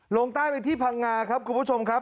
ลงใต้ไปที่พังงาครับคุณผู้ชมครับ